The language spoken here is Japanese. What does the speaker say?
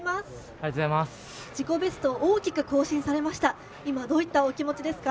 自己ベストを大きく更新されました。